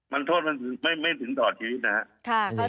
มันโทษมันถึงไม่ถึงต่อชีวิตนะครับ